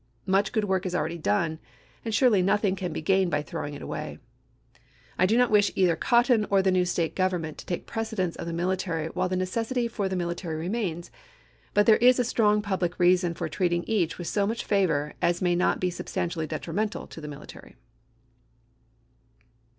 Much good work is already done, and surely nothing can be gained by throwing it away. I do not wish either cotton or the new State govern ment to take precedence of the military while the neces Lincoin to S^J f or ^ne military remains ; but there is a strong public canby, reason for treating each with so much favor as may not 1864. ' be substantially detrimental to the military.